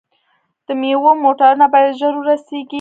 د میوو موټرونه باید ژر ورسیږي.